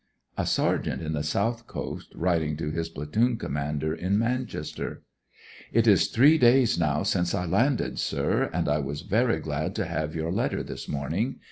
A sergeant on the South Coast, writing to his platoon commander in Manchester :" It is three days now since I landed, sir, and I was very glad to have your letter this morning.